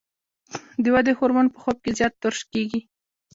د ودې هورمون په خوب کې زیات ترشح کېږي.